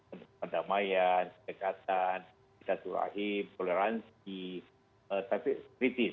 ada pendamaian dekatan ikat turahim toleransi tapi kritis